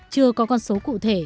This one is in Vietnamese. chưa có con số cụ thể